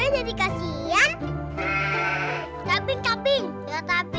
jadi kasian tapi tapi tapi